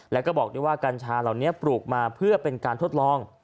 แล้วก็บอกด้วยว่ากัญชาเหล่านี้ปลูกมาเพื่อเป็นการทดลอง